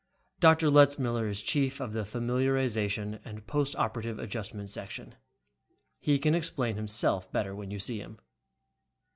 "Dr. Letzmiller is chief of the Familiarization and Post Operative Adjustment Section. He can explain himself better when you see him."